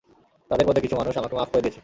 তাদের মধ্যে কিছু মানুষ আমাকে মাফ করে দিয়েছে।